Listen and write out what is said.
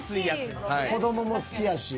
子供も好きやし。